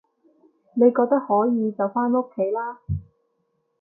你覺得可以就返屋企啦